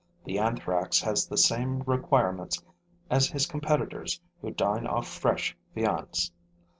The Anthrax has the same requirements as his competitors who dine off fresh viands.